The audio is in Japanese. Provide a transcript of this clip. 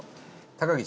高岸。